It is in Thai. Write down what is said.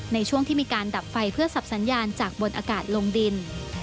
ในช่วงที่มีการดับไฟเพื่อสับสัญญาณจากบนอากาศลงดิน